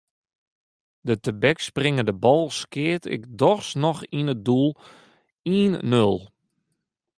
De tebekspringende bal skeat ik dochs noch yn it doel: ien-nul.